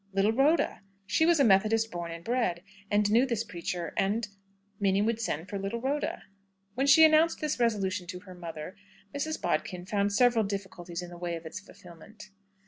Little Rhoda! She was a Methodist born and bred, and knew this preacher, and Minnie would send for little Rhoda. When she announced this resolution to her mother, Mrs. Bodkin found several difficulties in the way of its fulfilment.